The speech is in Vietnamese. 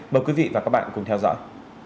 mời quý vị và các bạn cùng theo dõi